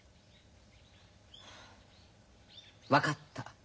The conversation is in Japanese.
分かった。